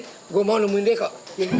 gue mau nemuin dia kok